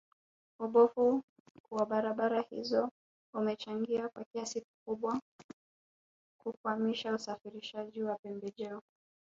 Ubovu wa barabara hizo umechangia kwa kiasi kikubwa kukwamisha usafirishaji wa pembejeo